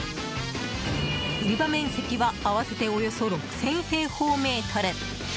売り場面積は合わせておよそ６０００平方メートル。